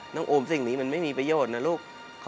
โอมสิ่งนี้มันไม่มีประโยชน์นะลูก